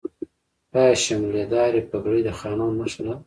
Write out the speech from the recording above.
آیا شملې دارې پګړۍ د خانانو نښه نه ده؟